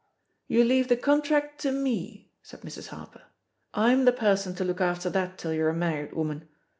"You leave the contract to me/^ said Mrs. Harper; "I'm the person to look after that till you're a married woman.